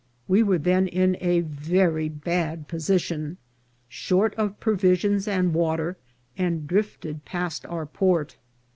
We were then in a very bad position, short of provis ions and water, and drifted past our port.